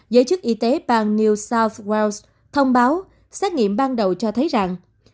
giới chức y tế bang new south wells thông báo xét nghiệm ban đầu cho thấy rằng